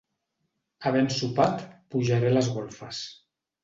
Havent sopat, pujaré a les golfes.